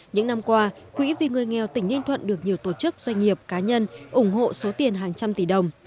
những năm qua quỹ vì người nghèo tỉnh ninh thuận được nhiều tổ chức doanh nghiệp cá nhân ủng hộ số tiền hàng trăm tỷ đồng